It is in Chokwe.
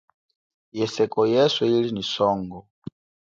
Yeseko yeswe ili nyi songo.